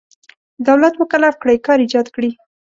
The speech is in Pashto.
دولت مکلف کړی کار ایجاد کړي.